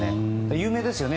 有名ですよね。